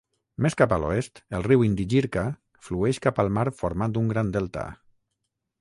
Més cap a l'oest el riu Indigirka flueix cap al mar formant un gran delta.